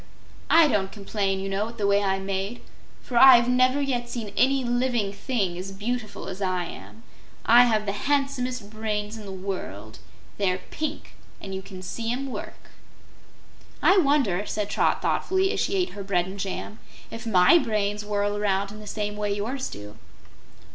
I don't complain, you know, at the way I'm made, for I've never yet seen any living thing as beautiful as I am. I have the handsomest brains in the world. They're pink, and you can see 'em work." "I wonder," said Trot thoughtfully, as she ate her bread and jam, "if MY brains whirl around in the same way yours do."